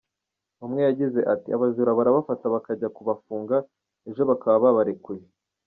Umwe yagize ati “Abajura barabafata bakajya kubafunga, ejo bakaba babarekuye.